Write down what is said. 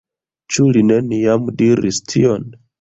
Ĉu li neniam diris tion?